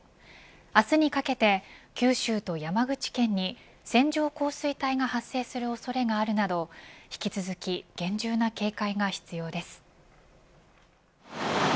明日にかけて九州と山口県に線状降水帯が発生する恐れがあるなど引き続き厳重な警戒が必要です。